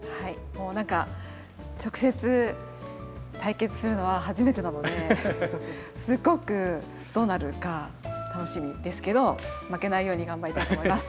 もう何か直接対決するのは初めてなのですごくどうなるか楽しみですけど負けないように頑張りたいと思います。